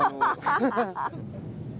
ハハハハハ！